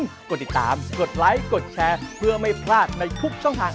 ไม่ถูกเลยอะเล่นกับคนกรุงเทพ